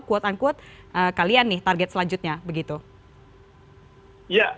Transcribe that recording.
quote unquote kalian nih target selanjutnya begitu